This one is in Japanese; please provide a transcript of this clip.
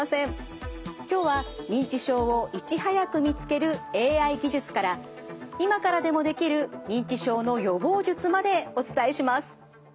今日は認知症をいち早く見つけるＡＩ技術から今からでもできる認知症の予防術までお伝えします。